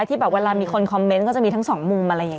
ที่เวลามีคนคอมเมนต์ก็จะมีทั้งสองมุม